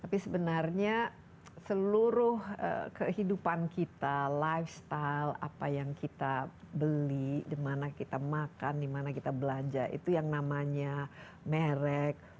tapi sebenarnya seluruh kehidupan kita lifestyle apa yang kita beli di mana kita makan dimana kita belanja itu yang namanya merek